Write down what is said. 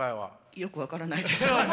よく分からないです。